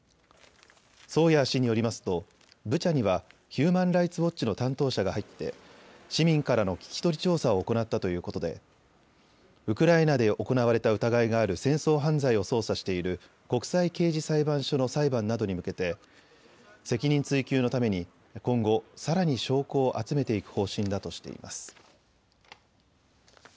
ソーヤー氏によりますとブチャにはヒューマン・ライツ・ウォッチの担当者が入って市民からの聞き取り調査を行ったということでウクライナで行われた疑いがある戦争犯罪を捜査している国際刑事裁判所の裁判などに向けて責任追及のために今後、さらに証拠を集めていく方針だとしています。